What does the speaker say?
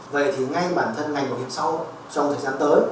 vậy thì ngay bản thân ngành bảo hiểm xã hội trong thời gian tới